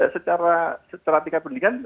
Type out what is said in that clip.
secara tingkat pendidikan